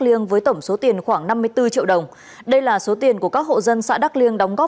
liêng với tổng số tiền khoảng năm mươi bốn triệu đồng đây là số tiền của các hộ dân xã đắk liêng đóng góp